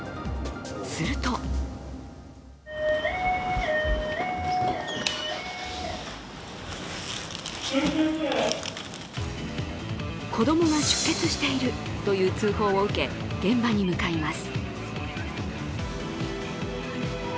すると子供が出血しているという通報を受け、現場に向かいます。